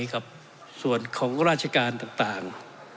กับส่วนของราชการต่าง